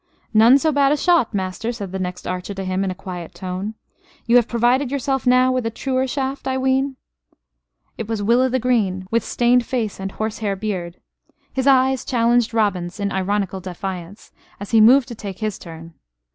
"None so bad a shot, master," said the next archer to him, in a quiet tone. "You have provided yourself now with a truer shaft, I ween?" It was Will o' th' Green, with stained face and horse hair beard. His eyes challenged Robin's in ironical defiance, as he moved to take his turn.